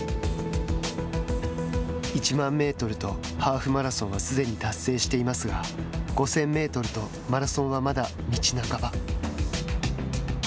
１００００メートルとハーフマラソンはすでに達成していますが５０００メートルとマラソンはまだ道半ば。